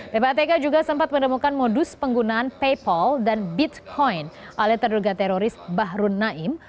ppatk juga sempat menemukan modus penggunaan paypal dan bitcoin oleh terduga teroris bahru naim